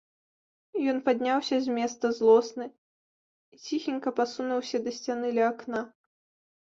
Ён падняўся з месца злосны і ціхенька пасунуўся да сцяны ля акна.